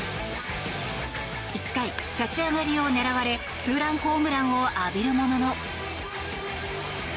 １回、立ち上がりを狙われツーランホームランを浴びるものの。